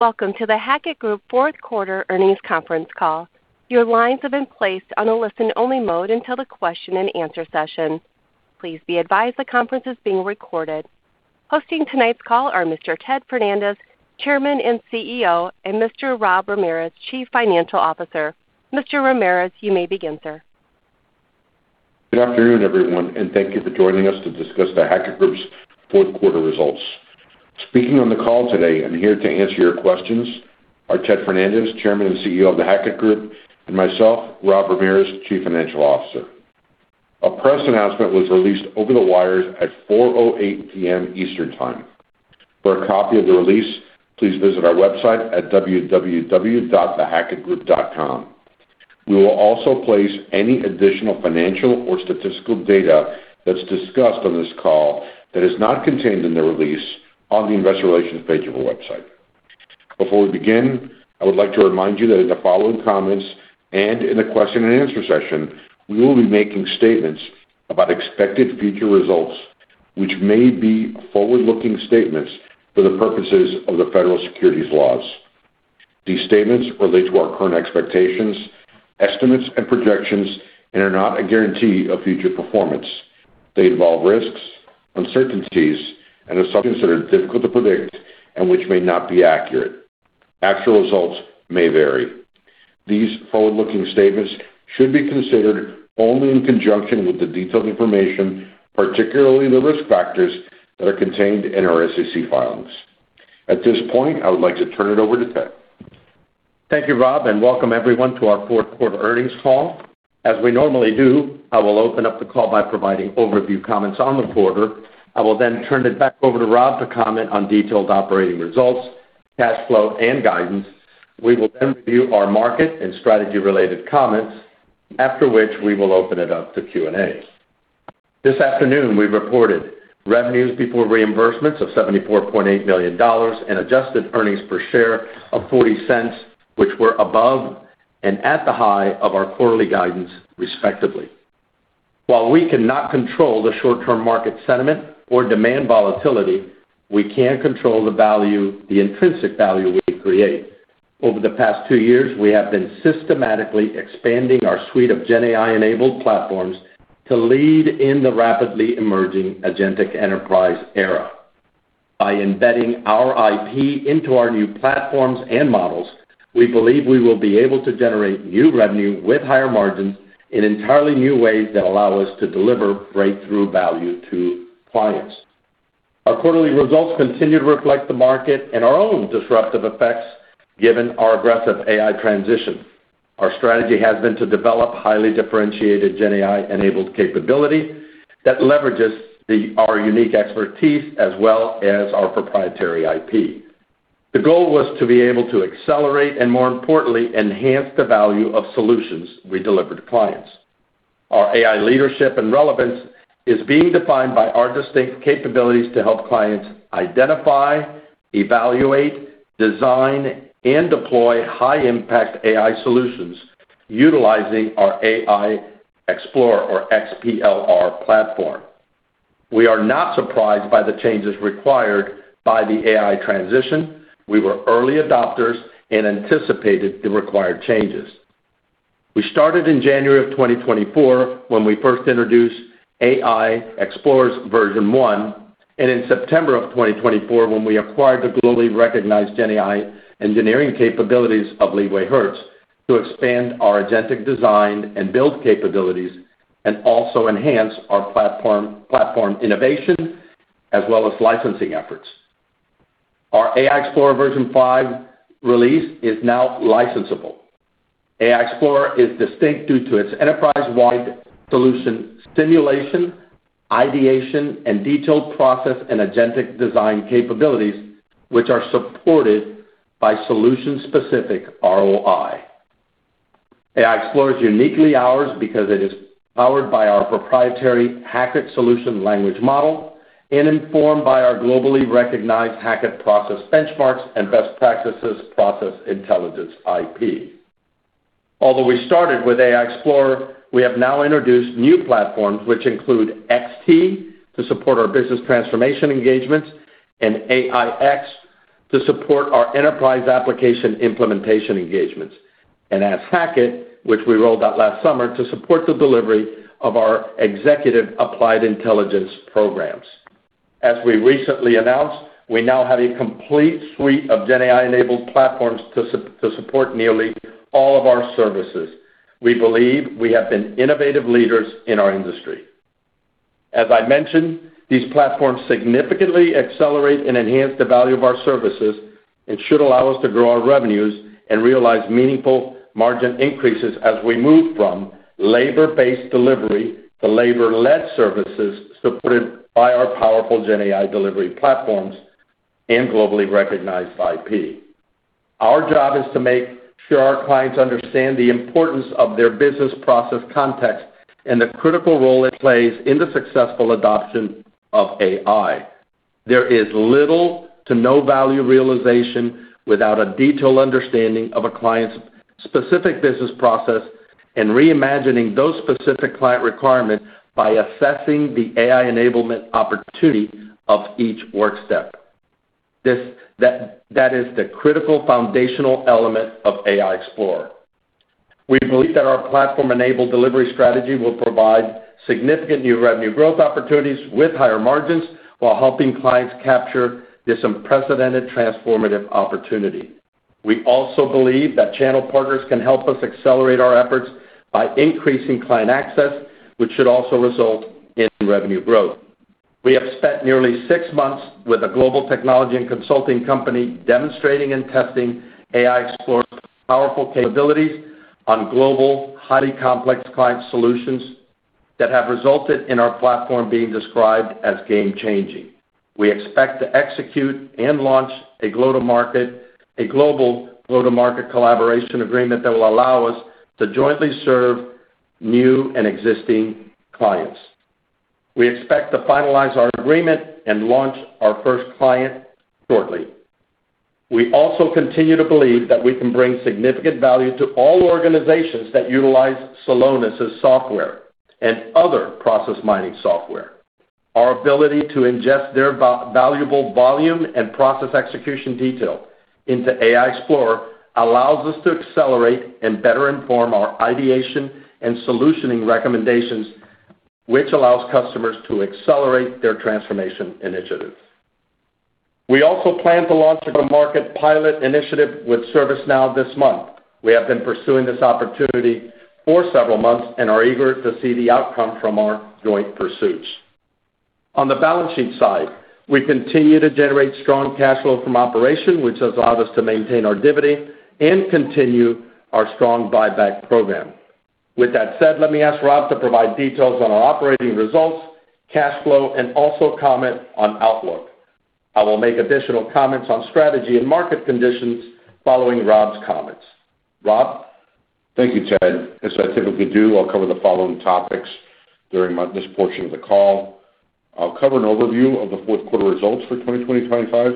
Welcome to the Hackett Group Q4 Earnings Conference Call. Your lines have been placed on a listen-only mode until the question and answer session. Please be advised the conference is being recorded. Hosting tonight's call are Mr. Ted Fernandez, Chairman and CEO, and Mr. Rob Ramirez, Chief Financial Officer. Mr. Ramirez, you may begin, sir. Good afternoon, everyone, and thank you for joining us to discuss the Hackett Group's Q4 results. Speaking on the call today and here to answer your questions are Ted Fernandez, Chairman and CEO of the Hackett Group, and myself, Rob Ramirez, Chief Financial Officer. A press announcement was released over the wires at 4:08 P.M. Eastern Time. For a copy of the release, please visit our website at www.thehackettgroup.com. We will also place any additional financial or statistical data that's discussed on this call that is not contained in the release on the investor relations page of our website. Before we begin, I would like to remind you that in the following comments and in the question and answer session, we will be making statements about expected future results, which may be forward-looking statements for the purposes of the federal securities laws. These statements relate to our current expectations, estimates, and projections and are not a guarantee of future performance. They involve risks, uncertainties, and are sometimes considered difficult to predict and which may not be accurate. Actual results may vary. These forward-looking statements should be considered only in conjunction with the detailed information, particularly the risk factors, that are contained in our SEC filings. At this point, I would like to turn it over to Ted. Thank you, Rob, and welcome everyone to our Q4 Earnings Call. As we normally do, I will open up the call by providing overview comments on the quarter. I will then turn it back over to Rob to comment on detailed operating results, cash flow, and guidance. We will then review our market and strategy-related comments, after which we will open it up to Q&As. This afternoon, we reported revenues before reimbursements of $74.8 million and adjusted earnings per share of $0.40, which were above and at the high of our quarterly guidance, respectively. While we cannot control the short-term market sentiment or demand volatility, we can control the value, the intrinsic value we create. Over the past two years, we have been systematically expanding our suite of GenAI-enabled platforms to lead in the rapidly emerging agentic enterprise era. By embedding our IP into our new platforms and models, we believe we will be able to generate new revenue with higher margins in entirely new ways that allow us to deliver breakthrough value to clients. Our quarterly results continue to reflect the market and our own disruptive effects, given our aggressive AI transition. Our strategy has been to develop highly differentiated GenAI-enabled capability that leverages our unique expertise as well as our proprietary IP. The goal was to be able to accelerate and, more importantly, enhance the value of solutions we deliver to clients. Our AI leadership and relevance is being defined by our distinct capabilities to help clients identify, evaluate, design, and deploy high-impact AI solutions utilizing our AI Explorer or XPLR platform. We are not surprised by the changes required by the AI transition. We were early adopters and anticipated the required changes. We started in January of 2024, when we first introduced AI Explorer's version 1, and in September of 2024, when we acquired the globally recognized GenAI engineering capabilities of LeewayHertz to expand our agentic design and build capabilities and also enhance our platform, platform innovation as well as licensing efforts. Our AI Explorer version 5 release is now licensable. AI Explorer is distinct due to its enterprise-wide solution simulation, ideation, and detailed process and agentic design capabilities, which are supported by solution-specific ROI. AI Explorer is uniquely ours because it is powered by our proprietary Hackett Solution Language Model and informed by our globally recognized Hackett process benchmarks and best practices process intelligence IP. Although we started with AI Explorer, we have now introduced new platforms, which include XT to support our business transformation engagements and AI X to support our enterprise application implementation engagements, and Ask Hackett, which we rolled out last summer to support the delivery of our executive applied intelligence programs. As we recently announced, we now have a complete suite of GenAI-enabled platforms to support nearly all of our services. We believe we have been innovative leaders in our industry. As I mentioned, these platforms significantly accelerate and enhance the value of our services and should allow us to grow our revenues and realize meaningful margin increases as we move from labor-based delivery to labor-led services, supported by our powerful GenAI delivery platforms and globally recognized IP. Our job is to make sure our clients understand the importance of their business process context and the critical role it plays in the successful adoption of AI. There is little to no value realization without a detailed understanding of a client's specific business process and reimagining those specific client requirements by assessing the AI enablement opportunity of each work step. That is the critical foundational element of AI Explorer. We believe that our platform-enabled delivery strategy will provide significant new revenue growth opportunities with higher margins, while helping clients capture this unprecedented transformative opportunity. We also believe that channel partners can help us accelerate our efforts by increasing client access, which should also result in revenue growth. We have spent nearly six months with a global technology and consulting company demonstrating and testing AI Explorer's powerful capabilities on global, highly complex client solutions that have resulted in our platform being described as game-changing. We expect to execute and launch a go-to-market, a global go-to-market collaboration agreement that will allow us to jointly serve new and existing clients. We expect to finalize our agreement and launch our first client shortly. We also continue to believe that we can bring significant value to all organizations that utilize Celonis' software and other process mining software. Our ability to ingest their valuable volume and process execution detail into AI Explorer allows us to accelerate and better inform our ideation and solutioning recommendations, which allows customers to accelerate their transformation initiatives. We also plan to launch a go-to-market pilot initiative with ServiceNow this month. We have been pursuing this opportunity for several months and are eager to see the outcome from our joint pursuits. On the balance sheet side, we continue to generate strong cash flow from operations, which allows us to maintain our dividend and continue our strong buyback program. With that said, let me ask Rob to provide details on our operating results, cash flow, and also comment on outlook. I will make additional comments on strategy and market conditions following Rob's comments. Rob? Thank you, Ted. As I typically do, I'll cover the following topics during this portion of the call. I'll cover an overview of the Q4 results for 2025,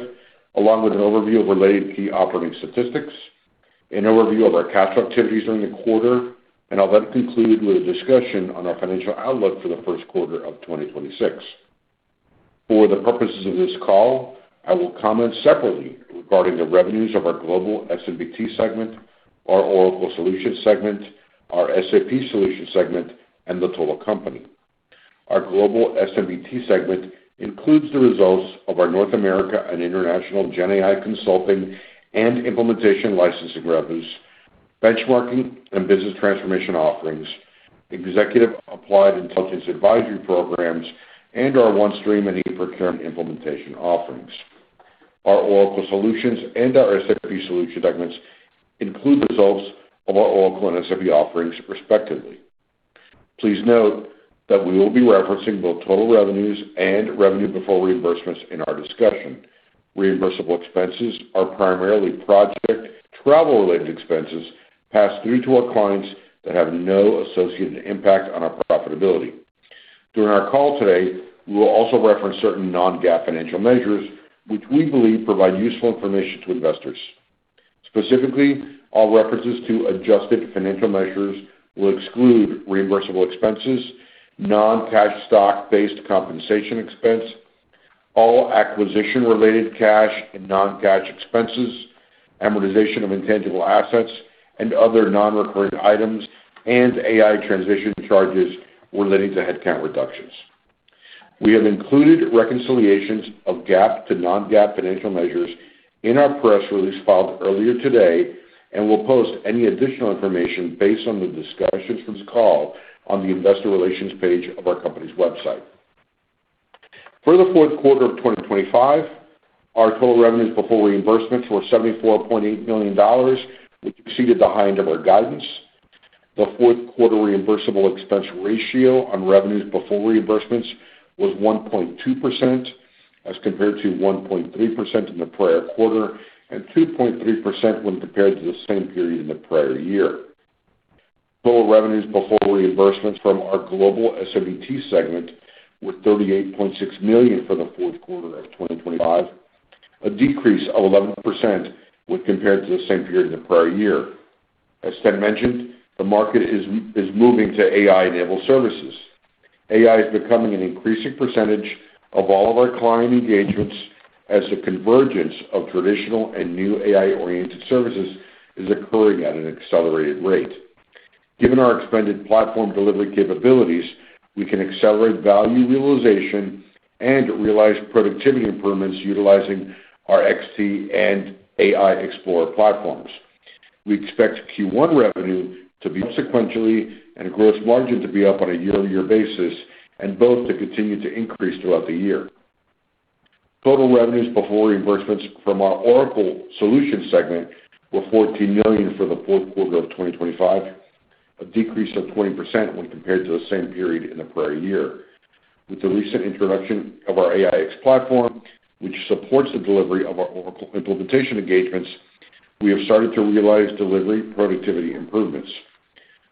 along with an overview of related key operating statistics, an overview of our cash activities during the quarter, and I'll then conclude with a discussion on our financial outlook for the Q1 of 2026. For the purposes of this call, I will comment separately regarding the revenues of our Global S&BT segment, our Oracle Solutions segment, our SAP Solutions segment, and the total company. Our Global S&BT segment includes the results of our North America and international GenAI consulting and implementation licensing revenues, benchmarking and business transformation offerings, executive applied intelligence advisory programs, and our OneStream and eProcurement implementation offerings. Our Oracle Solutions and our SAP Solutions segments include results of our Oracle and SAP offerings, respectively. Please note that we will be referencing both total revenues and revenue before reimbursements in our discussion. Reimbursable expenses are primarily project travel-related expenses passed through to our clients that have no associated impact on our profitability. During our call today, we will also reference certain non-GAAP financial measures, which we believe provide useful information to investors. Specifically, all references to adjusted financial measures will exclude reimbursable expenses, non-cash stock-based compensation expense, all acquisition-related cash and non-cash expenses, amortization of intangible assets, and other non-recurring items, and AI transition charges relating to headcount reductions. We have included reconciliations of GAAP to non-GAAP financial measures in our press release filed earlier today, and we'll post any additional information based on the discussions from this call on the investor relations page of our company's website. For the Q4 of 2025, our total revenues before reimbursements were $74.8 million, which exceeded the high end of our guidance. The Q4 reimbursable expense ratio on revenues before reimbursements was 1.2%, as compared to 1.3% in the prior quarter and 2.3% when compared to the same period in the prior year. Total revenues before reimbursements from our Global S&BT segment were $38.6 million for the Q4 of 2025, a decrease of 11% when compared to the same period in the prior year. As Ted mentioned, the market is moving to AI-enabled services. AI is becoming an increasing percentage of all of our client engagements, as the convergence of traditional and new AI-oriented services is occurring at an accelerated rate. Given our expanded platform delivery capabilities, we can accelerate value realization and realize productivity improvements utilizing our XT and AI Explorer platforms. We expect Q1 revenue to be sequentially and gross margin to be up on a year-over-year basis, and both to continue to increase throughout the year. Total revenues before reimbursements from our Oracle Solutions segment were $14 million for the Q4 of 2025, a decrease of 20% when compared to the same period in the prior year. With the recent introduction of our AI X platform, which supports the delivery of our Oracle implementation engagements, we have started to realize delivery productivity improvements.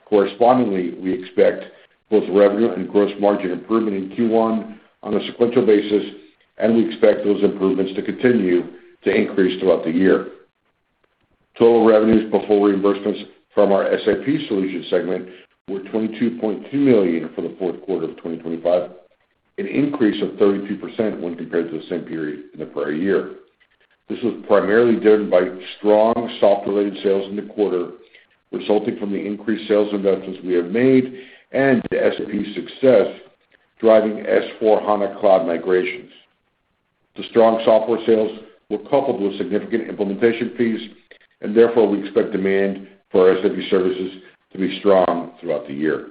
Correspondingly, we expect both revenue and gross margin improvement in Q1 on a sequential basis.... and we expect those improvements to continue to increase throughout the year. Total revenues before reimbursements from our SAP Solutions segment were $22.2 million for the Q4 of 2025, an increase of 32% when compared to the same period in the prior year. This was primarily driven by strong software-related sales in the quarter, resulting from the increased sales investments we have made and the SAP's success driving S/4HANA Cloud migrations. The strong software sales were coupled with significant implementation fees, and therefore, we expect demand for our SAP services to be strong throughout the year.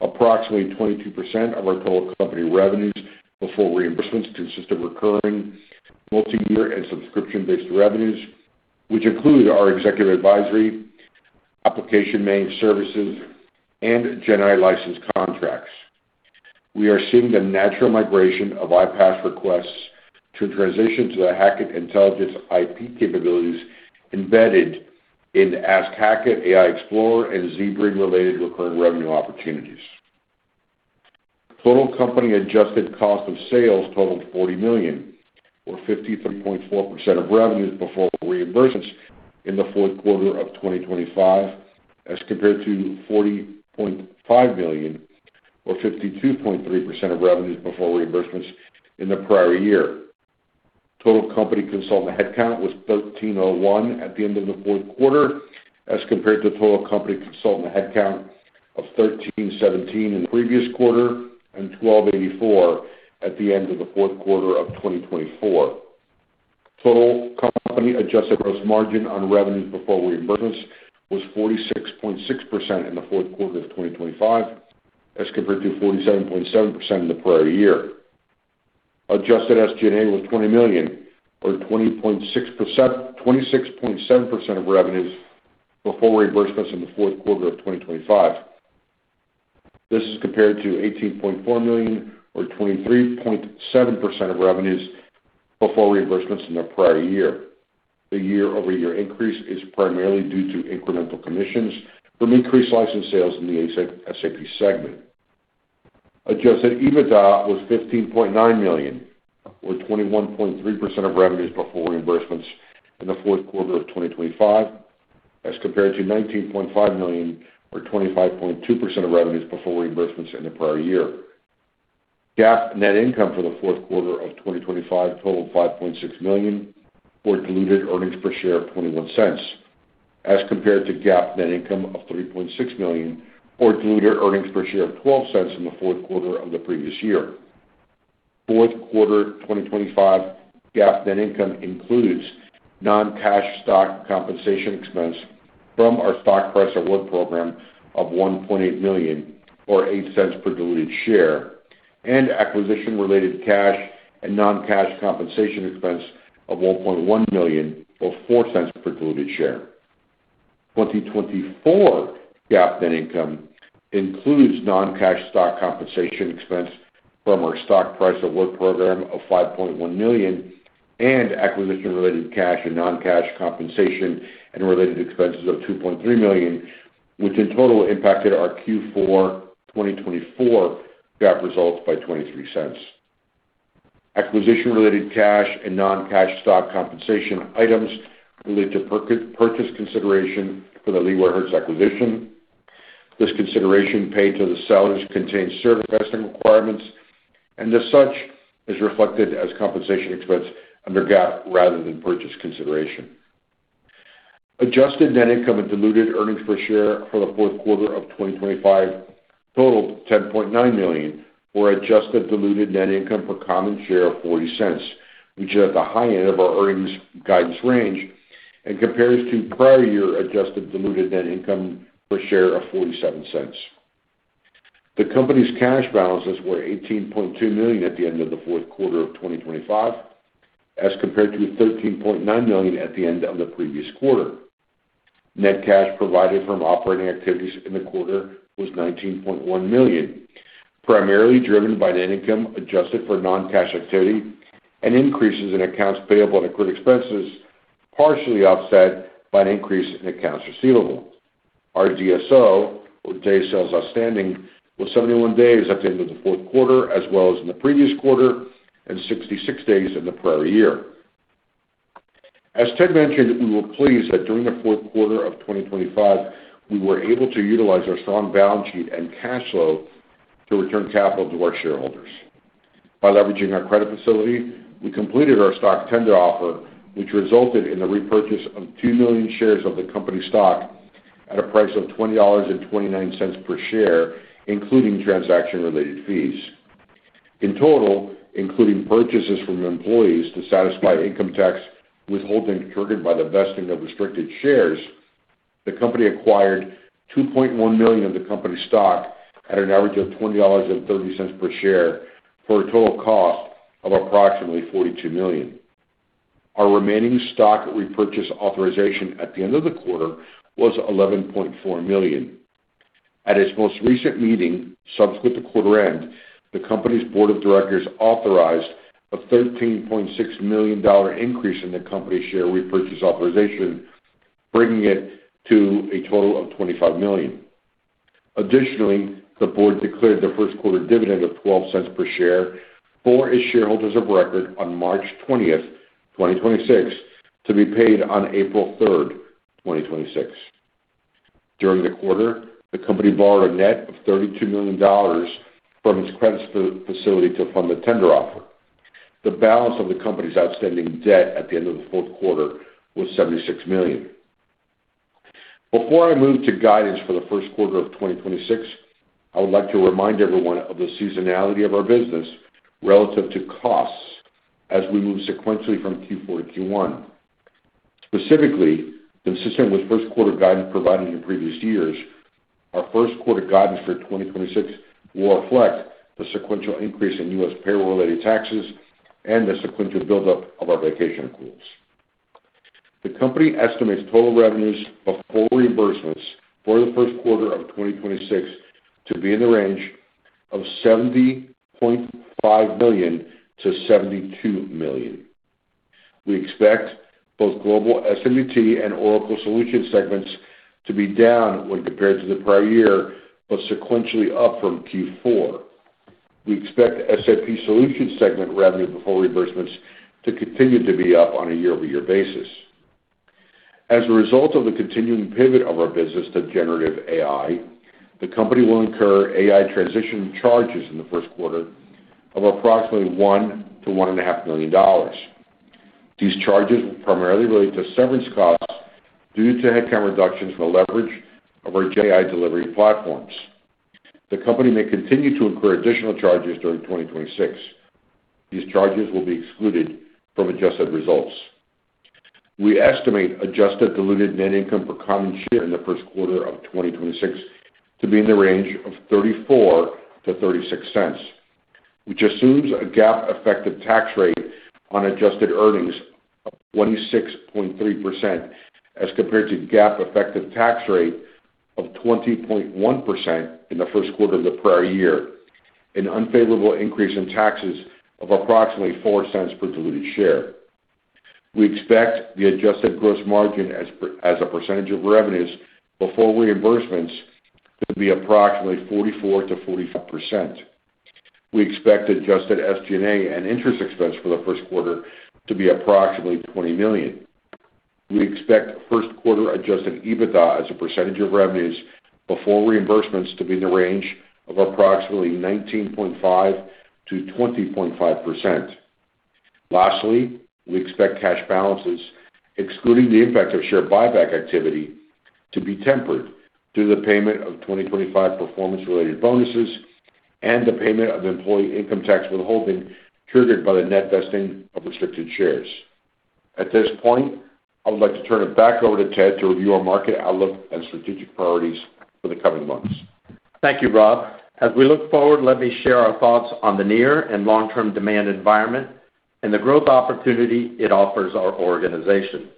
Approximately 22% of our total company revenues before reimbursements consisted of recurring, multiyear, and subscription-based revenues, which include our executive advisory, application managed services, and GenAI license contracts. We are seeing the natural migration of IP access requests to transition to the Hackett Intelligence IP capabilities embedded in Ask Hackett, AI Explorer, and ZBrain related recurring revenue opportunities. Total company adjusted cost of sales totaled $40 million, or 53.4% of revenues before reimbursements in the Q4 of 2025, as compared to $40.5 million, or 52.3% of revenues before reimbursements in the prior year. Total company consultant headcount was 1,301 at the end of the Q4, as compared to total company consultant headcount of 1,317 in the previous quarter and 1,284 at the end of the Q4 of 2024. Total company adjusted gross margin on revenues before reimbursements was 46.6% in the Q4 of 2025, as compared to 47.7% in the prior year. Adjusted SG&A was $20 million or 20.6%-26.7% of revenues before reimbursements in the Q4 of 2025. This is compared to $18.4 million or 23.7% of revenues before reimbursements in the prior year. The year-over-year increase is primarily due to incremental commissions from increased license sales in the SAP Solutions segment. Adjusted EBITDA was $15.9 million, or 21.3% of revenues before reimbursements in the Q4 of 2025, as compared to $19.5 million, or 25.2% of revenues before reimbursements in the prior year. GAAP net income for the Q4 of 2025 totaled $5.6 million, or diluted earnings per share of 21 cents, as compared to GAAP net income of $3.6 million, or diluted earnings per share of 12 cents in the Q4 of the previous year. Q4 2025 GAAP net income includes non-cash stock compensation expense from our stock price award program of $1.8 million, or $0.08 per diluted share, and acquisition-related cash and non-cash compensation expense of $1.1 million, or $0.04 per diluted share. 2024 GAAP net income includes non-cash stock compensation expense from our stock price award program of $5.1 million and acquisition-related cash and non-cash compensation and related expenses of $2.3 million, which in total impacted our Q4 2024 GAAP results by $0.23. Acquisition-related cash and non-cash stock compensation items related to purchase consideration for the LeewayHertz acquisition. This consideration paid to the sellers contains certain vesting requirements, and as such, is reflected as compensation expense under GAAP rather than purchase consideration. Adjusted net income and diluted earnings per share for the Q4 of 2025 totaled $10.9 million, or adjusted diluted net income per common share of $0.40, which is at the high end of our earnings guidance range and compares to prior year adjusted diluted net income per share of $0.47. The company's cash balances were $18.2 million at the end of the Q4 of 2025, as compared to $13.9 million at the end of the previous quarter. Net cash provided from operating activities in the quarter was $19.1 million, primarily driven by net income adjusted for non-cash activity and increases in accounts payable and accrued expenses, partially offset by an increase in accounts receivable. Our DSO, or Days Sales Outstanding, was 71 days at the end of the Q4, as well as in the previous quarter, and 66 days in the prior year. As Ted mentioned, we were pleased that during the Q4 of 2025, we were able to utilize our strong balance sheet and cash flow to return capital to our shareholders. By leveraging our credit facility, we completed our stock tender offer, which resulted in the repurchase of 2 million shares of the company's stock at a price of $20.29 per share, including transaction-related fees. In total, including purchases from employees to satisfy income tax withholding triggered by the vesting of restricted shares, the company acquired 2.1 million of the company's stock at an average of $20.30 per share, for a total cost of approximately $42 million. Our remaining stock repurchase authorization at the end of the quarter was $11.4 million. At its most recent meeting, subsequent to quarter end, the company's board of directors authorized a $13.6 million increase in the company's share repurchase authorization, bringing it to a total of $25 million. Additionally, the board declared the Q1 dividend of $0.12 per share for its shareholders of record on March 20, 2026, to be paid on April 3, 2026. During the quarter, the company borrowed a net of $32 million from its credit facility to fund the tender offer. The balance of the company's outstanding debt at the end of the Q4 was $76 million. Before I move to guidance for the Q1 of 2026, I would like to remind everyone of the seasonality of our business relative to costs as we move sequentially from Q4 to Q1. Specifically, consistent with Q1 guidance provided in previous years, our Q1 guidance for 2026 will reflect the sequential increase in U.S. payroll-related taxes and the sequential buildup of our vacation accruals. The company estimates total revenues before reimbursements for the Q1 of 2026 to be in the range of $70.5 million-$72 million. We expect both Global S&BT and Oracle Solutions segments to be down when compared to the prior year, but sequentially up from Q4. We expect SAP Solutions segment revenue before reimbursements to continue to be up on a year-over-year basis. As a result of the continuing pivot of our business to generative AI, the company will incur AI transition charges in the Q1 of approximately $1 million-$1.5 million. These charges will primarily relate to severance costs due to headcount reductions in the leverage of our GenAI delivery platforms. The company may continue to incur additional charges during 2026. These charges will be excluded from adjusted results. We estimate adjusted diluted net income per common share in the Q1 of 2026 to be in the range of $0.34-$0.36, which assumes a GAAP effective tax rate on adjusted earnings of 26.3%, as compared to GAAP effective tax rate of 20.1% in the Q1 of the prior year, an unfavorable increase in taxes of approximately $0.04 per diluted share. We expect the adjusted gross margin as a percentage of revenues before reimbursements to be approximately 44%-45%. We expect adjusted SG&A and interest expense for the Q1 to be approximately $20 million. We expect Q1 adjusted EBITDA as a percentage of revenues before reimbursements to be in the range of approximately 19.5%-20.5%. Lastly, we expect cash balances, excluding the impact of share buyback activity, to be tempered due to the payment of 2025 performance-related bonuses and the payment of employee income tax withholding triggered by the net vesting of restricted shares. At this point, I would like to turn it back over to Ted to review our market outlook and strategic priorities for the coming months. Thank you, Rob. As we look forward, let me share our thoughts on the near and long-term demand environment and the growth opportunity it offers our organization.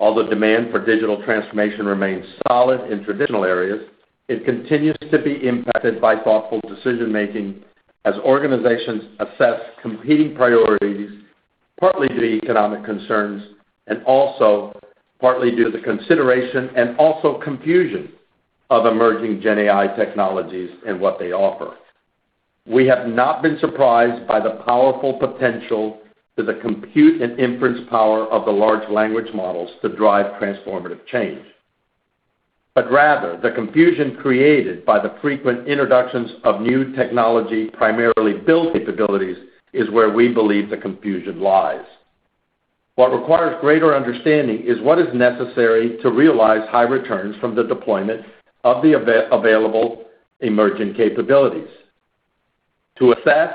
Although demand for digital transformation remains solid in traditional areas, it continues to be impacted by thoughtful decision-making as organizations assess competing priorities, partly due to economic concerns and also partly due to the consideration and also confusion of emerging GenAI technologies and what they offer. We have not been surprised by the powerful potential to the compute and inference power of the large language models to drive transformative change. But rather, the confusion created by the frequent introductions of new technology, primarily build capabilities, is where we believe the confusion lies. What requires greater understanding is what is necessary to realize high returns from the deployment of the available emerging capabilities. To assess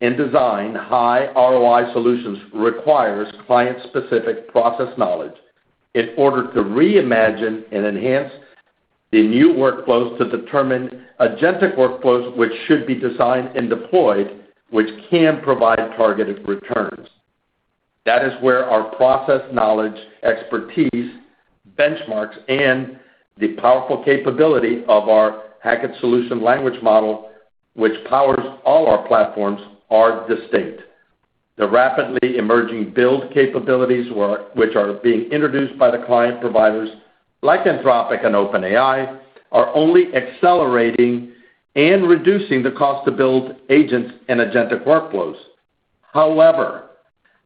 and design high ROI solutions requires client-specific process knowledge in order to reimagine and enhance the new workflows, to determine agentic workflows which should be designed and deployed, which can provide targeted returns. That is where our process knowledge, expertise, benchmarks, and the powerful capability of our Hackett Solution Language Model, which powers all our platforms, are distinct. The rapidly emerging build capabilities work, which are being introduced by the client providers like Anthropic and OpenAI, are only accelerating and reducing the cost to build agents and agentic workflows. However,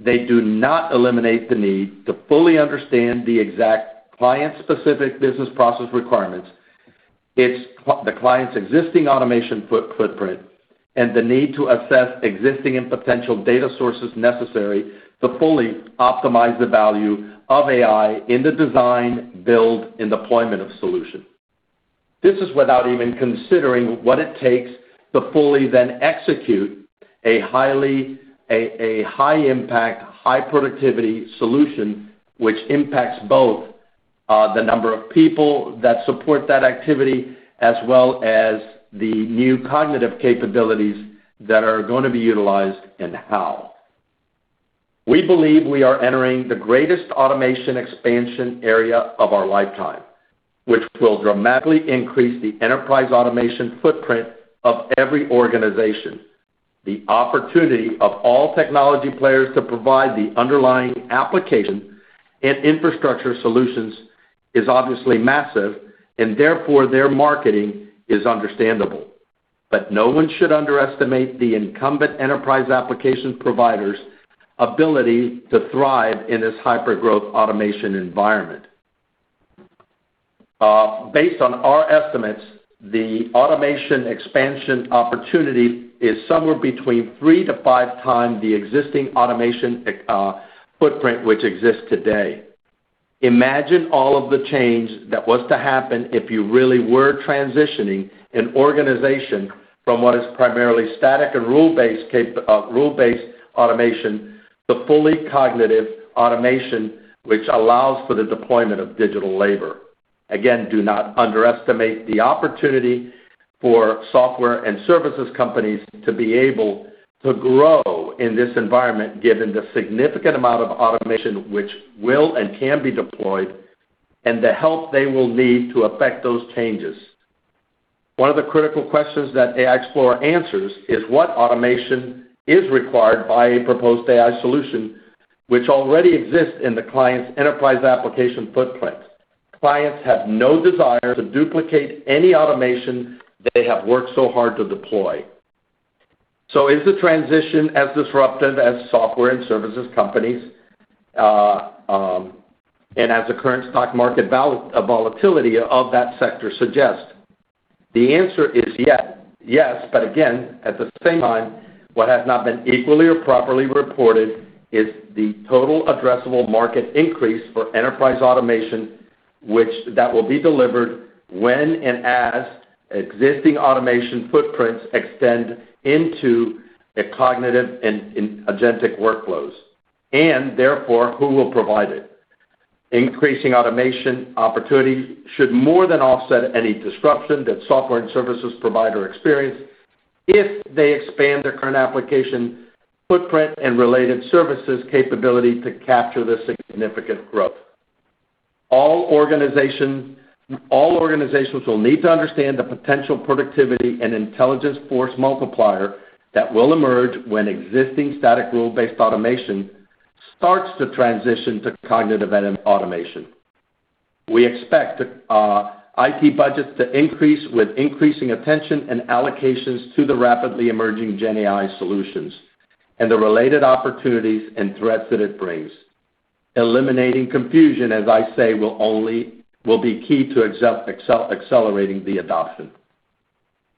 they do not eliminate the need to fully understand the exact client-specific business process requirements, the client's existing automation footprint, and the need to assess existing and potential data sources necessary to fully optimize the value of AI in the design, build, and deployment of solution. This is without even considering what it takes to fully then execute a highly... a high impact, high productivity solution, which impacts both the number of people that support that activity, as well as the new cognitive capabilities that are going to be utilized and how. We believe we are entering the greatest automation expansion area of our lifetime, which will dramatically increase the enterprise automation footprint of every organization. The opportunity of all technology players to provide the underlying application and infrastructure solutions is obviously massive, and therefore, their marketing is understandable. But no one should underestimate the incumbent enterprise application provider's ability to thrive in this hyper-growth automation environment. Based on our estimates, the automation expansion opportunity is somewhere between 3-5 times the existing automation footprint which exists today. Imagine all of the change that was to happen if you really were transitioning an organization from what is primarily static and rule-based automation, to fully cognitive automation, which allows for the deployment of digital labor. Again, do not underestimate the opportunity for software and services companies to be able to grow in this environment, given the significant amount of automation which will and can be deployed, and the help they will need to effect those changes. One of the critical questions that AI Explorer answers is, what automation is required by a proposed AI solution which already exists in the client's enterprise application footprint? Clients have no desire to duplicate any automation they have worked so hard to deploy. So is the transition as disruptive as software and services companies, and as the current stock market volatility of that sector suggests? The answer is yes, yes, but again, at the same time, what has not been equally or properly reported is the total addressable market increase for enterprise automation, which that will be delivered when and as existing automation footprints extend into the cognitive and agentic workflows, and therefore, who will provide it. Increasing automation opportunities should more than offset any disruption that software and services provider experience, if they expand their current application footprint and related services capability to capture the significant growth. All organizations, all organizations will need to understand the potential productivity and intelligence force multiplier that will emerge when existing static, rule-based automation starts to transition to cognitive and automation. We expect IT budgets to increase with increasing attention and allocations to the rapidly emerging GenAI solutions and the related opportunities and threats that it brings. Eliminating confusion, as I say, will be key to accelerating the adoption.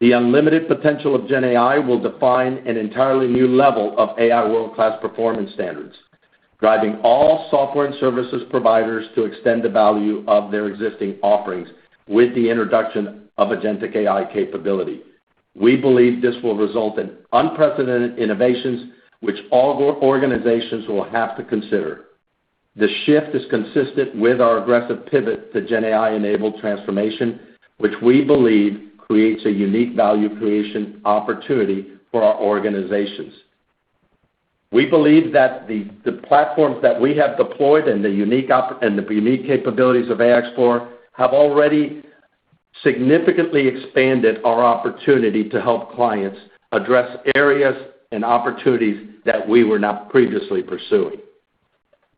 The unlimited potential of GenAI will define an entirely new level of AI world-class performance standards, driving all software and services providers to extend the value of their existing offerings with the introduction of agentic AI capability. We believe this will result in unprecedented innovations, which all organizations will have to consider. The shift is consistent with our aggressive pivot to GenAI-enabled transformation, which we believe creates a unique value creation opportunity for our organizations. We believe that the platforms that we have deployed and the unique capabilities of AI Explorer have already significantly expanded our opportunity to help clients address areas and opportunities that we were not previously pursuing.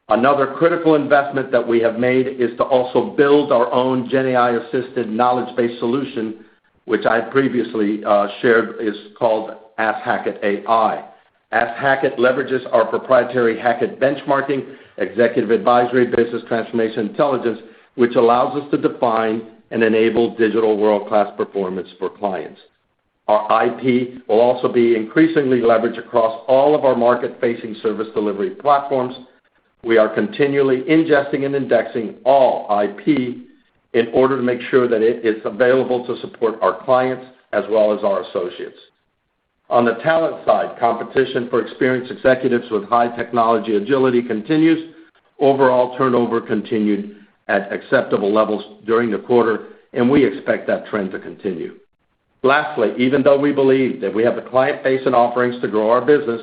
Another critical investment that we have made is to also build our own GenAI-assisted knowledge-based solution, which I previously shared, is called AskHackett.ai. AskHackett.ai leverages our proprietary Hackett benchmarking, executive advisory, business transformation intelligence, which allows us to define and enable Digital World Class performance for clients. Our IP will also be increasingly leveraged across all of our market-facing service delivery platforms. We are continually ingesting and indexing all IP in order to make sure that it is available to support our clients as well as our associates. On the talent side, competition for experienced executives with high technology agility continues. Overall turnover continued at acceptable levels during the quarter, and we expect that trend to continue. Lastly, even though we believe that we have the client base and offerings to grow our business,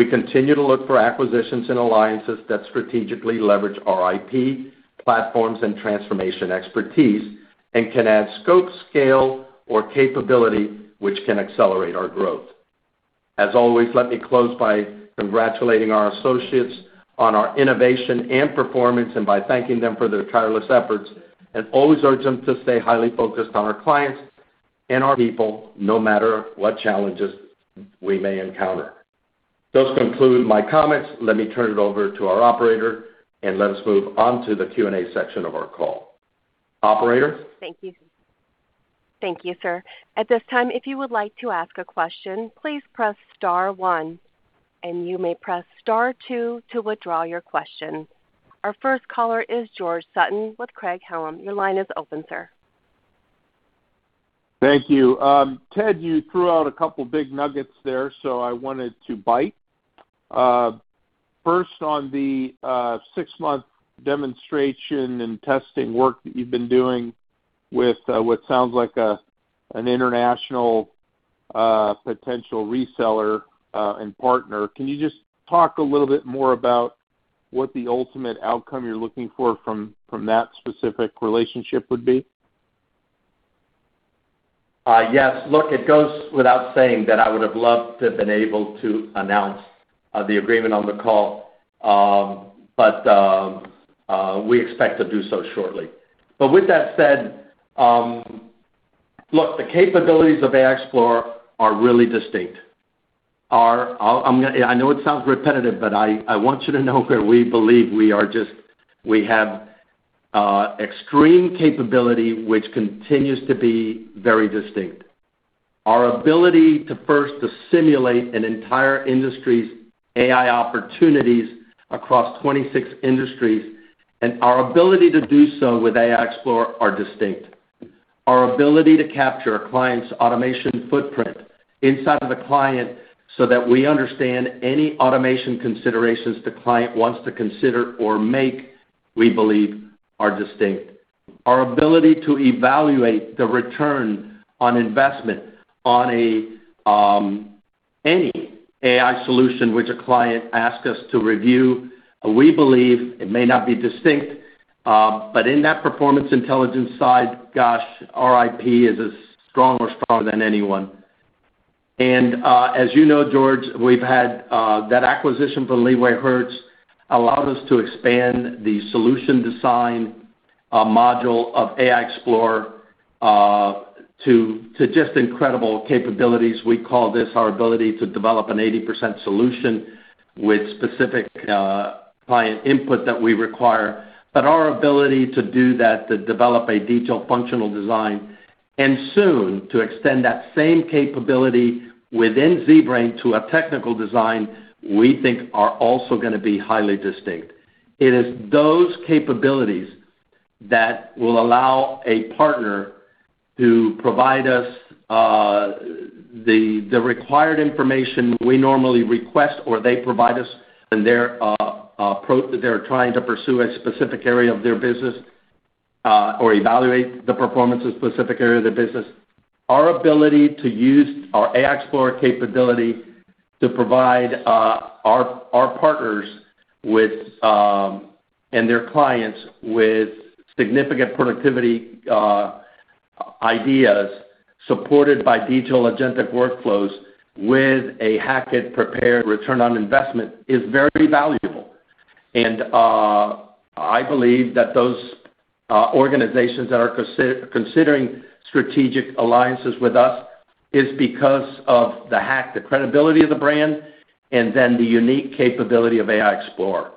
we continue to look for acquisitions and alliances that strategically leverage our IP, platforms, and transformation expertise, and can add scope, scale, or capability, which can accelerate our growth. As always, let me close by congratulating our associates on our innovation and performance, and by thanking them for their tireless efforts, and always urge them to stay highly focused on our clients and our people, no matter what challenges we may encounter. Those conclude my comments. Let me turn it over to our operator, and let us move on to the Q&A section of our call. Operator? Thank you. Thank you, sir. At this time, if you would like to ask a question, please press star one, and you may press star two to withdraw your question. Our first caller is George Sutton with Craig-Hallum. Your line is open, sir. Thank you. Ted, you threw out a couple big nuggets there, so I wanted to bite. First, on the six-month demonstration and testing work that you've been doing with what sounds like an international potential reseller and partner, can you just talk a little bit more about what the ultimate outcome you're looking for from that specific relationship would be? Yes. Look, it goes without saying that I would have loved to have been able to announce the agreement on the call, but we expect to do so shortly. But with that said, look, the capabilities of AI Explorer are really distinct. Our—I'm, I know it sounds repetitive, but I, I want you to know that we believe we are just—we have extreme capability, which continues to be very distinct. Our ability to first to simulate an entire industry's AI opportunities across 26 industries, and our ability to do so with AI Explorer are distinct. Our ability to capture a client's automation footprint inside of the client so that we understand any automation considerations the client wants to consider or make, we believe are distinct. Our ability to evaluate the return on investment on a any AI solution which a client asks us to review, we believe it may not be distinct, but in that performance intelligence side, gosh, our IP is as strong or stronger than anyone. And, as you know, George, we've had that acquisition from LeewayHertz allowed us to expand the solution design module of AI Explorer to just incredible capabilities. We call this our ability to develop an 80% solution with specific client input that we require. But our ability to do that, to develop a detailed functional design, and soon to extend that same capability within ZBrain to a technical design, we think are also gonna be highly distinct. It is those capabilities that will allow a partner to provide us the required information we normally request, or they provide us, and they're trying to pursue a specific area of their business, or evaluate the performance of a specific area of their business. Our ability to use our AI Explorer capability to provide our partners and their clients with significant productivity ideas, supported by detailed agentic workflows with a Hackett prepared return on investment, is very valuable. And I believe that those organizations that are considering strategic alliances with us is because of the Hackett, the credibility of the brand, and then the unique capability of AI Explorer.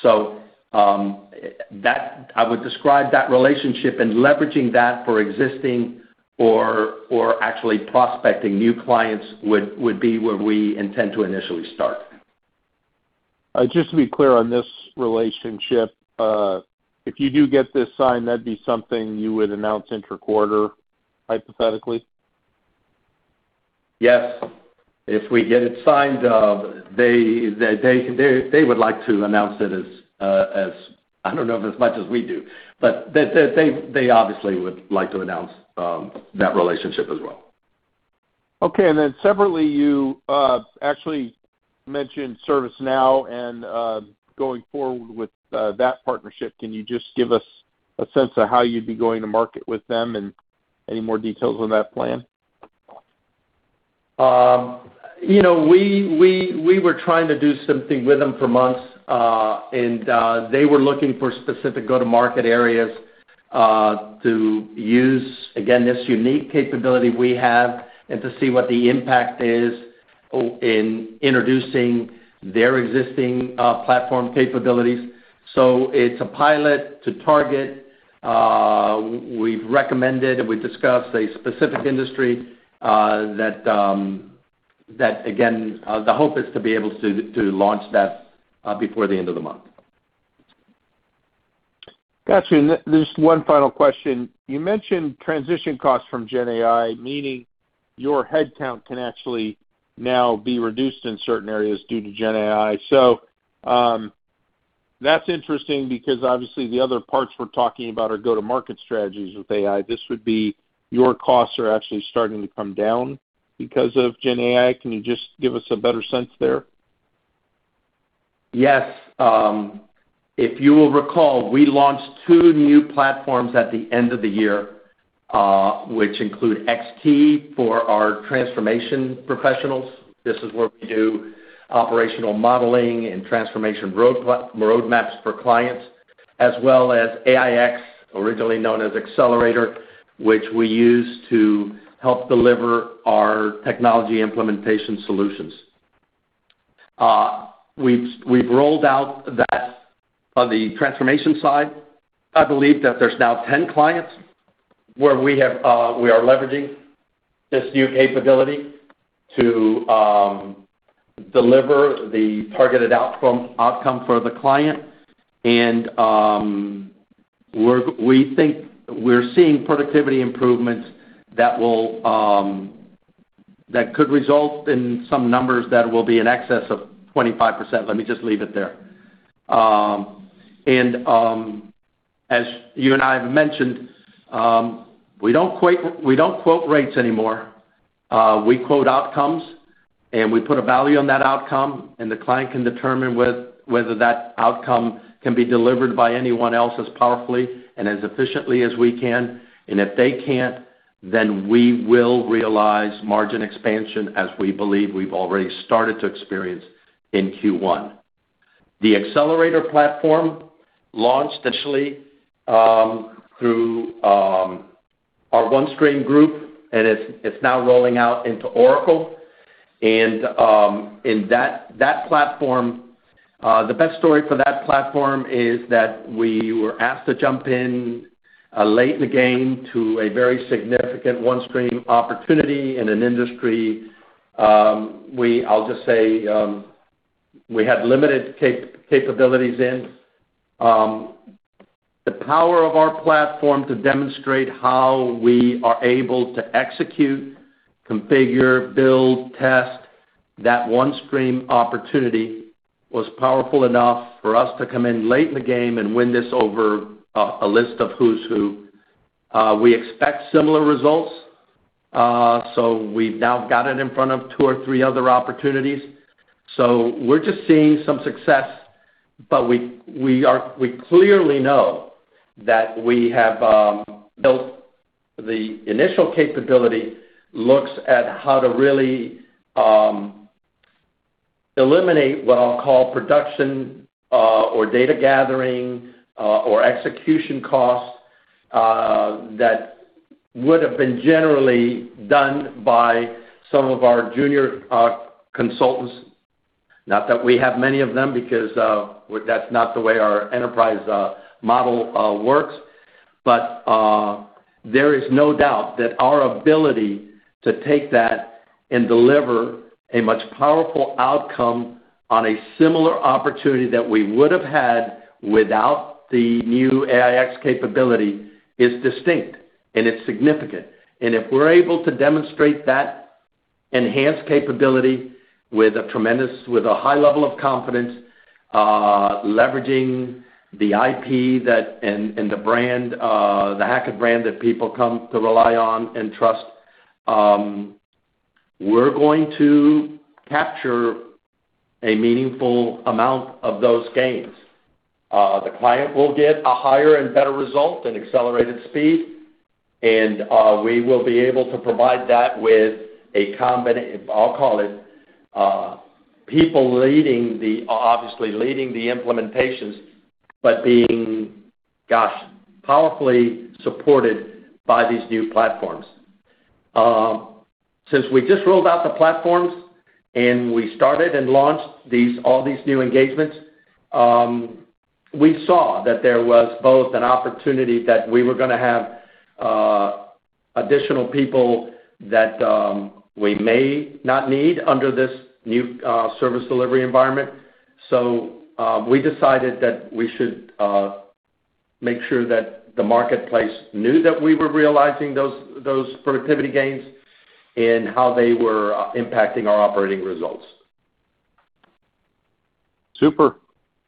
So, I would describe that relationship and leveraging that for existing or actually prospecting new clients, would be where we intend to initially start. Just to be clear on this relationship, if you do get this signed, that'd be something you would announce inter-quarter, hypothetically? Yes. If we get it signed, they would like to announce it as, as, I don't know if as much as we do. But they obviously would like to announce that relationship as well. Okay, and then separately, you actually mentioned ServiceNow and going forward with that partnership. Can you just give us a sense of how you'd be going to market with them and any more details on that plan? You know, we were trying to do something with them for months, and they were looking for specific go-to-market areas to use, again, this unique capability we have, and to see what the impact is in introducing their existing platform capabilities. So it's a pilot to target. We've recommended and we've discussed a specific industry, that again, the hope is to be able to launch that before the end of the month. Got you. Just one final question. You mentioned transition costs from GenAI, meaning your headcount can actually now be reduced in certain areas due to GenAI. So, that's interesting because obviously the other parts we're talking about are go-to-market strategies with AI. This would be your costs are actually starting to come down because of GenAI. Can you just give us a better sense there? Yes. If you will recall, we launched 2 new platforms at the end of the year, which include XT for our transformation professionals. This is where we do operational modeling and transformation roadmaps for clients, as well as AI X, originally known as Accelerator, which we use to help deliver our technology implementation solutions. We've rolled out that on the transformation side. I believe that there's now 10 clients where we have, we are leveraging this new capability to deliver the targeted outcome for the client. And we're-- we think we're seeing productivity improvements that will, that could result in some numbers that will be in excess of 25%. Let me just leave it there. And, as you and I have mentioned, we don't quote, we don't quote rates anymore... We quote outcomes, and we put a value on that outcome, and the client can determine whether that outcome can be delivered by anyone else as powerfully and as efficiently as we can. And if they can't, then we will realize margin expansion as we believe we've already started to experience in Q1. The accelerator platform launched initially through our OneStream group, and it's now rolling out into Oracle. And in that platform, the best story for that platform is that we were asked to jump in late in the game to a very significant OneStream opportunity in an industry, I'll just say, we had limited capabilities in. The power of our platform to demonstrate how we are able to execute, configure, build, test, that one screen opportunity was powerful enough for us to come in late in the game and win this over a list of who's who. We expect similar results, so we've now got it in front of two or three other opportunities. So we're just seeing some success, but we are - we clearly know that we have built the initial capability, looks at how to really eliminate what I'll call production or data gathering or execution costs that would have been generally done by some of our junior consultants. Not that we have many of them, because well, that's not the way our enterprise model works. But, there is no doubt that our ability to take that and deliver a much powerful outcome on a similar opportunity that we would have had without the new AI X capability, is distinct, and it's significant. And if we're able to demonstrate that enhanced capability with a high level of confidence, leveraging the IP and the brand, the Hackett's brand that people come to rely on and trust, we're going to capture a meaningful amount of those gains. The client will get a higher and better result and accelerated speed, and we will be able to provide that with a, I'll call it, people leading the, obviously, leading the implementations, but being, gosh, powerfully supported by these new platforms. Since we just rolled out the platforms, and we started and launched these, all these new engagements, we saw that there was both an opportunity that we were gonna have additional people that we may not need under this new service delivery environment. So, we decided that we should make sure that the marketplace knew that we were realizing those productivity gains and how they were impacting our operating results. Super.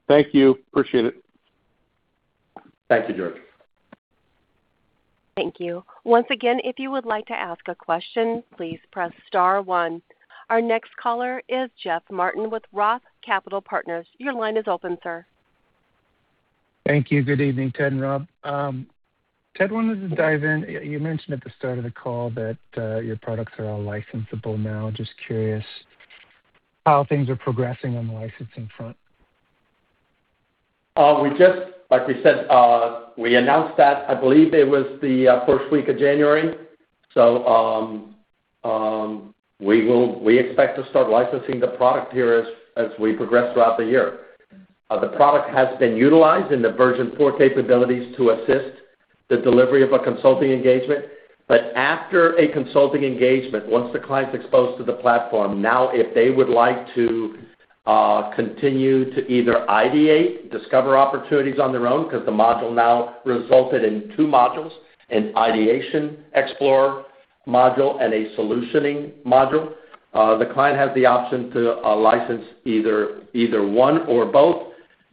Thank you. Appreciate it. Thank you, George. Thank you. Once again, if you would like to ask a question, please press star one. Our next caller is Jeff Martin with Roth Capital Partners. Your line is open, sir. Thank you. Good evening, Ted and Rob. Ted, wanted to dive in. You mentioned at the start of the call that your products are all licensable now. Just curious how things are progressing on the licensing front? We just—like we said, we announced that, I believe it was the first week of January. So, we expect to start licensing the product here as we progress throughout the year. The product has been utilized in the version 4 capabilities to assist the delivery of a consulting engagement. But after a consulting engagement, once the client's exposed to the platform, now, if they would like to continue to either ideate, discover opportunities on their own, 'cause the module now resulted in two modules, an ideation explorer module and a solutioning module, the client has the option to license either one or both,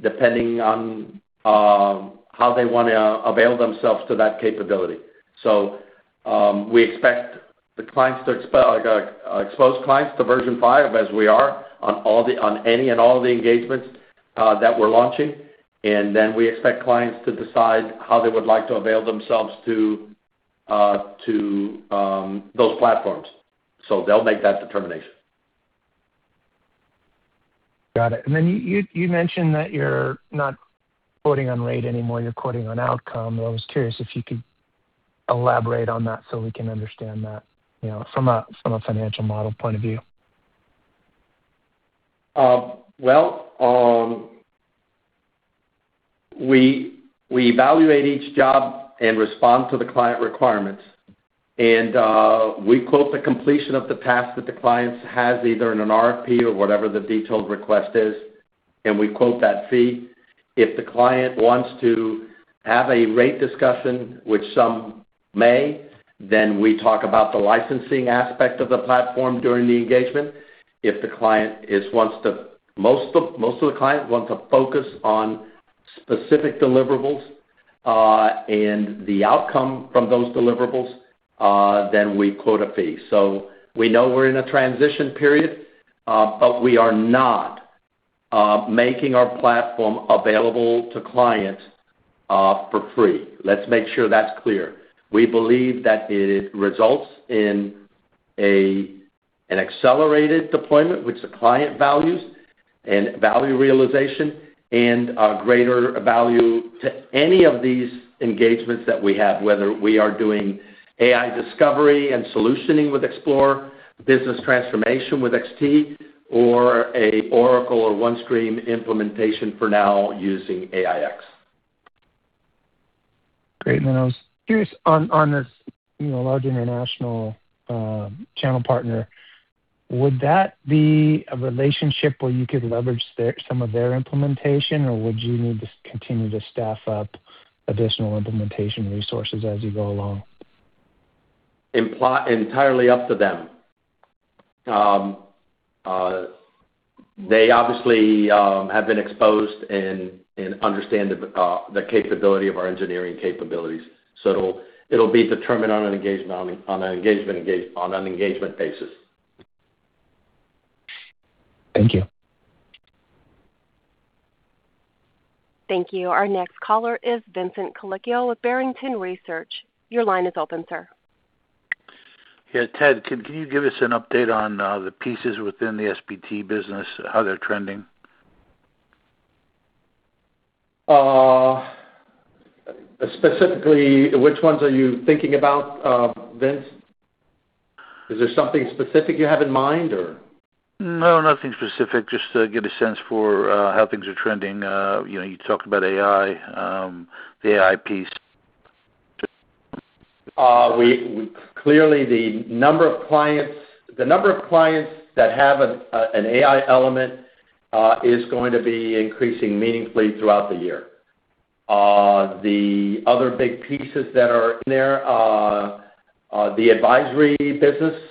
depending on how they wanna avail themselves to that capability. So, we expect the clients to expose clients to version 5, as we are on all the- on any and all of the engagements that we're launching, and then we expect clients to decide how they would like to avail themselves to those platforms. So they'll make that determination. Got it. And then you mentioned that you're not quoting on rate anymore, you're quoting on outcome. I was curious if you could elaborate on that so we can understand that, you know, from a financial model point of view. Well, we evaluate each job and respond to the client requirements, and we quote the completion of the task that the clients has, either in an RFP or whatever the detailed request is, and we quote that fee. If the client wants to have a rate discussion, which some may, then we talk about the licensing aspect of the platform during the engagement. Most of the clients want to focus on specific deliverables, and the outcome from those deliverables, then we quote a fee. So we know we're in a transition period, but we are not making our platform available to clients for free. Let's make sure that's clear. We believe that it results in an accelerated deployment, which the client values and value realization and a greater value to any of these engagements that we have, whether we are doing AI discovery and solutioning with Explore, business transformation with XT, or a Oracle or OneStream implementation for now using AI X. Great. And then I was curious on, on this, you know, large international, channel partner, would that be a relationship where you could leverage their, some of their implementation, or would you need to continue to staff up additional implementation resources as you go along? Entirely up to them. They obviously have been exposed and understand the capability of our engineering capabilities. So it'll be determined on an engagement basis. Thank you. Thank you. Our next caller is Vincent Colicchio with Barrington Research. Your line is open, sir. Yeah, Ted, can you give us an update on the pieces within the S&BT business, how they're trending? Specifically, which ones are you thinking about, Vince? Is there something specific you have in mind, or? No, nothing specific. Just to get a sense for how things are trending. You know, you talked about AI, the AI piece. We clearly, the number of clients, the number of clients that have an AI element is going to be increasing meaningfully throughout the year. The other big pieces that are in there, the advisory business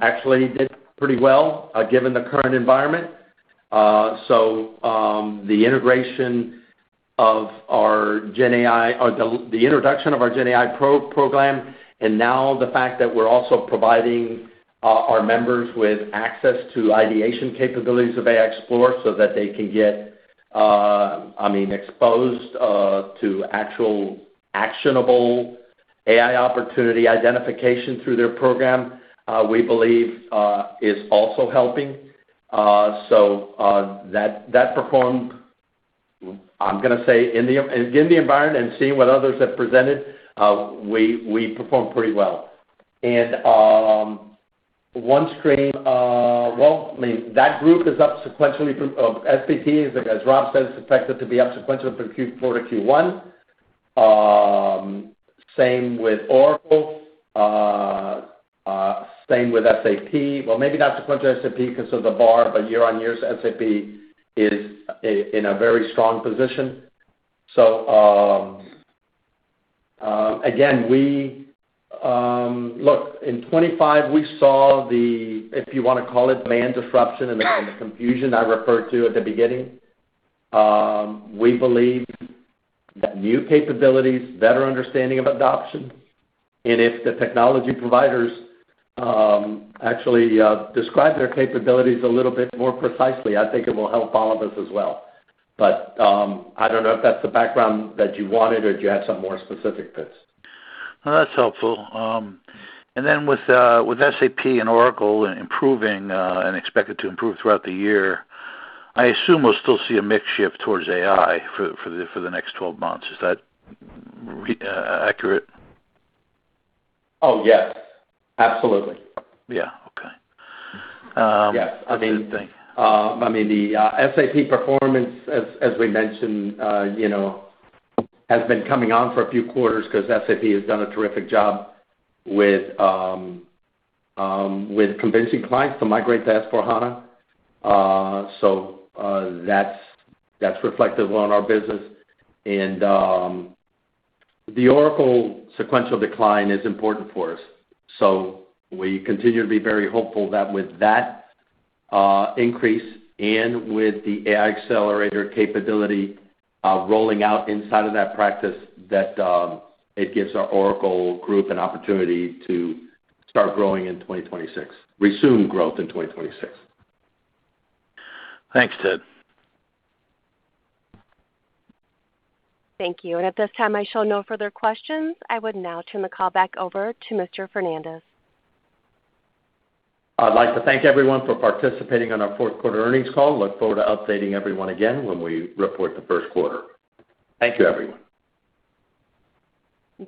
actually did pretty well given the current environment. The integration of our GenAI or the introduction of our GenAI program, and now the fact that we're also providing our members with access to ideation capabilities of AI Explorer so that they can get I mean exposed to actual actionable AI opportunity identification through their program we believe is also helping. That performed, I'm gonna say, in the environment and seeing what others have presented we performed pretty well. OneStream, well, I mean, that group is up sequentially. SAP, as Rob said, is expected to be up sequentially from Q4 to Q1. Same with Oracle, same with SAP. Well, maybe not sequential SAP because of the bar, but year-over-year, SAP is in a very strong position. So, again, we... Look, in 2025, we saw the if you wanna call it, demand disruption and the confusion I referred to at the beginning. We believe that new capabilities, better understanding of adoption, and if the technology providers actually describe their capabilities a little bit more precisely, I think it will help all of us as well. But, I don't know if that's the background that you wanted, or do you have some more specific bits? No, that's helpful. And then with SAP and Oracle improving and expected to improve throughout the year, I assume we'll still see a mix shift towards AI for the next 12 months. Is that accurate? Oh, yes, absolutely. Yeah. Okay. Yes. Good thing. I mean, SAP performance, as we mentioned, you know, has been coming on for a few quarters because SAP has done a terrific job with convincing clients to migrate to S/4HANA. So, that's reflective on our business. And, the Oracle sequential decline is important for us, so we continue to be very hopeful that with that increase and with the AI accelerator capability rolling out inside of that practice, that it gives our Oracle group an opportunity to start growing in 2026, resume growth in 2026. Thanks, Ted. Thank you. At this time, I show no further questions. I would now turn the call back over to Mr. Fernandez. I'd like to thank everyone for participating on our Q4 Earnings Call. Look forward to updating everyone again when we report the Q1. Thank you, everyone.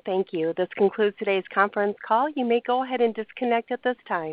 Thank you. This concludes today's conference call. You may go ahead and disconnect at this time.